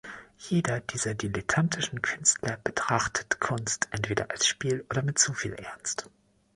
Jeder dieser dilettantischen Künstler betrachtet Kunst entweder als Spiel oder mit zu viel Ernst.